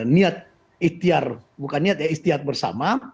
niat ikhtiar bukan niat ya ikhtiar bersama